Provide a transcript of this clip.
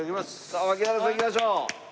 さあ槙原さんいきましょう。